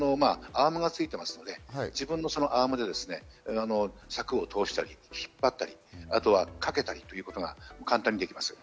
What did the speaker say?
アームがついていますので、自分のアームで尺を通したり引っ張ったり、かけたりということが簡単にできます。